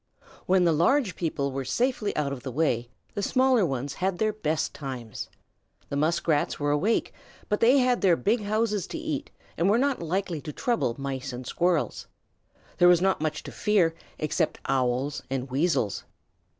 When the large people were safely out of the way, the smaller ones had their best times. The Muskrats were awake, but they had their big houses to eat and were not likely to trouble Mice and Squirrels. There was not much to fear except Owls and Weasels.